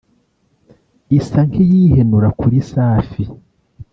” isa nk’iyihenura kuri Safi